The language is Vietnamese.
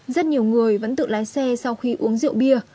rất nhiều người vẫn tự lái xe sau khi uống rượu bia